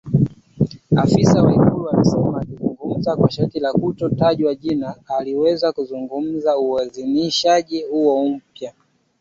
Afisa wa ikulu alisema akizungumza kwa sharti la kutotajwa jina ili aweze kuzungumzia uidhinishaji huo mpya.